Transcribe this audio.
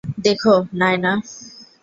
দেখো, নায়না।